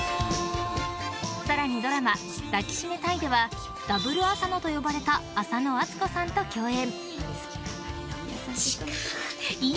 更にドラマ「抱きしめたい！」ではダブル浅野と呼ばれた浅野温子さんと共演。